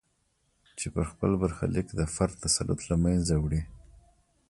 چې پر خپل برخلیک د فرد تسلط له منځه وړي.